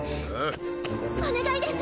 お願いです